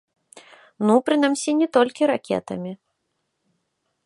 Ну, прынамсі, не толькі ракетамі.